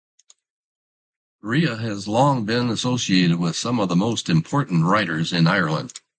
Rea has long been associated with some of the most important writers in Ireland.